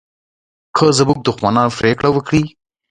که زموږ دښمنان پرېکړه وکړي